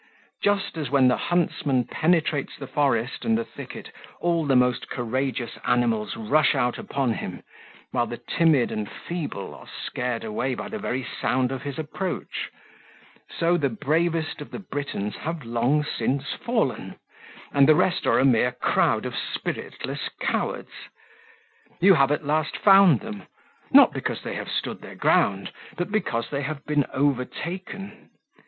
Just as when the huntsman penetrates the forest and the thicket, all the most courageous animals rush out upon him, while the timid and feeble are scared away by the very sound of his approach, so the bravest of the Britons have long since fallen; and the rest are a mere crowd of spiritless cowards. You have at last found them, not because they have stood their ground, but because they have been overtaken.